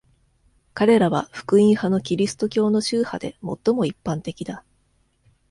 彼らは福音派のキリスト教の宗派で最も一般的だ。